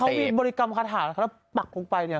มันเลยมีบริกรรมขาดหาแต่ต้องปักโึกไปเนี่ย